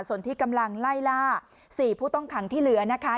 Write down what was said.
ส่วนที่กำลังไล่ล่า๔ผู้ต้องขังที่เหลือนะคะ